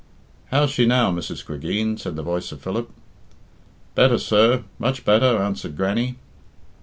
"How's she now, Mrs. Cregeen?" said the voice of Philip. "Better, sir much better," answered Grannie.